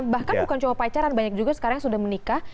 bahkan bukan cuma pacaran banyak juga sekarang yang sudah menikah